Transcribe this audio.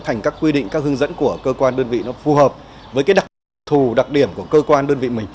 thành các quy định các hướng dẫn của cơ quan đơn vị nó phù hợp với cái đặc thù đặc điểm của cơ quan đơn vị mình